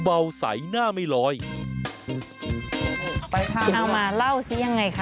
เอามาเล่าซิยังไงค่ะ